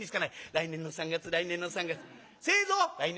「来年の三月来年の三月」。